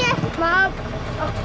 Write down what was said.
asal tak berapa je